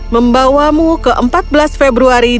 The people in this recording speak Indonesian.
membawamu ke empat belas februari